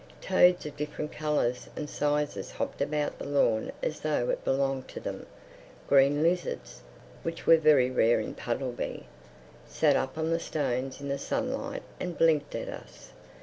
Toads of different colors and sizes hopped about the lawn as though it belonged to them. Green lizards (which were very rare in Puddleby) sat up on the stones in the sunlight and blinked at us.